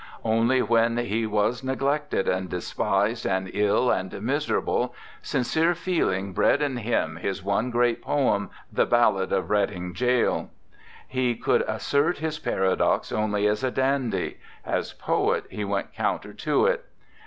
Only when he was neglected and despised and ill and miserable, sin cere feeling bred in him his one great poem: The Ballad of Reading Gaol He could assert his paradox only as a dandy; as poet he went counter to it.